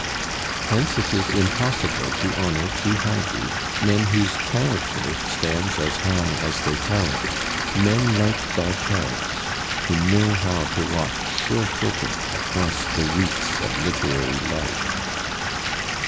Hence it is impossible to honor too highly men whose character stands as high as their talent men like d'Arthez, who know how to walk surefooted across the reefs of literary life.